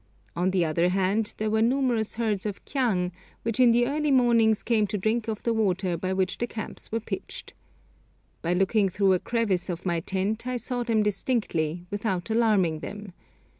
On the other hand, there were numerous herds of kyang, which in the early mornings came to drink of the water by which the camps were pitched. By looking through a crevice of my tent I saw them distinctly, without alarming them.